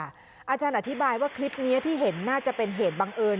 อาจารย์อธิบายว่าคลิปนี้ที่เห็นน่าจะเป็นเหตุบังเอิญ